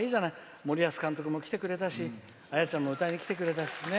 森保さんも来てくれたし綾ちゃんも歌いに来てくれた。